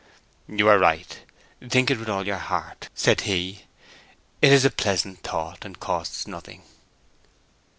"You are right—think it with all your heart," said he. "It is a pleasant thought, and costs nothing."